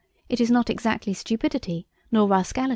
It is not exactly stupidity, nor rascality...."